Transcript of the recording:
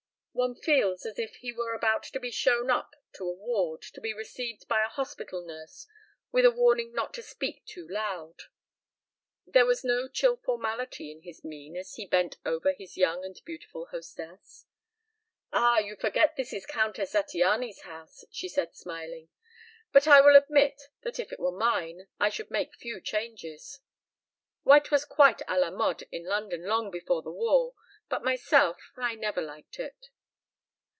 One feels as if he were about to be shown up to a ward, to be received by a hospital nurse with a warning not to speak too loud." There was no chill formality in his mien as he bent over his young and beautiful hostess. "Ah, you forget this is Countess Zattiany's house," she said, smiling. "But I will admit that if it were mine I should make few changes. White was quite à la mode in London long before the war, but, myself, I never liked it."